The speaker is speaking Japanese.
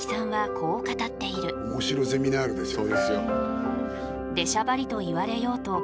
「面白ゼミナール」ですよね。